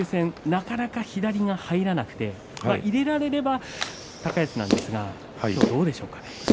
なかなか左が入らなくて入れられれば高安なんですがどうでしょう？